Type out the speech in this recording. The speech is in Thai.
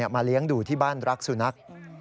เลี้ยงดูที่บ้านรักสุนัข